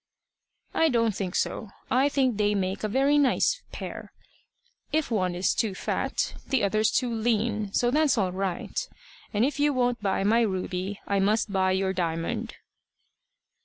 "I don't think so. I think they make a very nice pair. If the one's too fat, the other's too lean so that's all right. And if you won't buy my Ruby, I must buy your Diamond."